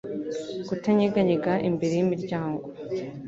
Kutanyeganyega imbere yimiryango